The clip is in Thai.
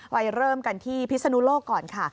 ไปเริ่มกันที่พิศนุโลกก่อนค่ะ